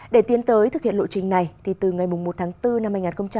để tiến tới thực hiện lộ trình này từ ngày một tháng bốn năm hai nghìn hai mươi bốn